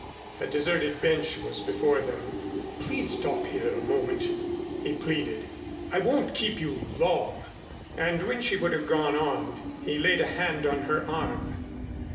A deserted bench was before them. "Please stop here a moment," he pleaded. "I won't keep you long." And when she would have gone on he laid a hand on her arm.